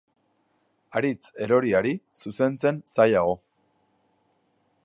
Haritz eroriari, zuzentzen zailago.